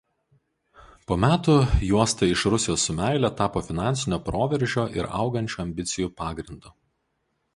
Po metų juosta „Iš Rusijos su meile“ tapo finansinio proveržio ir augančių ambicijų pagrindu.